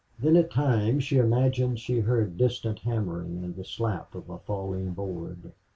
Then at times she imagined she heard distant hammering and the slap of a falling board.